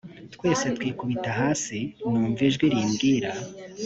twese twikubita hasi numva ijwi rimbwira